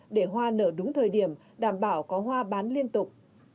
để hoa nở đúng thời điểm đảm bảo có hoa bán liên tục